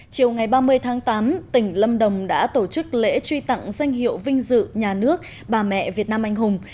chiều ngày ba mươi tháng tám tỉnh lâm đồng đã tổ chức lễ truy tặng danh hiệu vinh dự nhà nước bà mẹ việt nam anh hùng